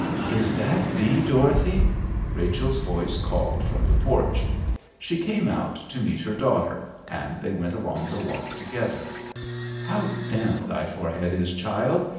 "Is that thee, Dorothy?" Rachel's voice called from the porch. She came out to meet her daughter and they went along the walk together. "How damp thy forehead is, child.